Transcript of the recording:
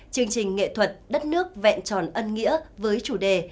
chương trình nghệ thuật đất nước vẹn tròn ân nghĩa với chủ đề